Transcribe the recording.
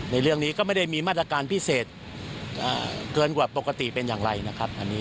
ในเรื่องนี้ก็ไม่ได้มีมาตรการพิเศษเกินกว่าปกติเป็นอย่างไรนะครับ